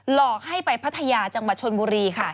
หลอกให้ไปพัทยาจังหวัดชนบุรีค่ะ